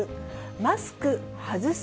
マスク外す？